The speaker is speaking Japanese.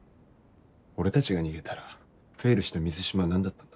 俺たちが逃げたらフェイルした水島は何だったんだ。